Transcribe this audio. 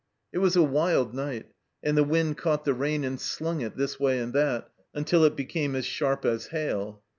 It was a wild night, and the wind caught the rain and slun^it this way and that, until it became as sharp as hail.